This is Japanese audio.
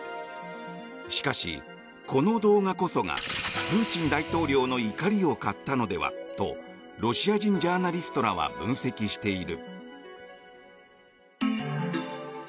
しかし、この動画こそがプーチン大統領の怒りを買ったのではとロシア人ジャーナリストらは分析している。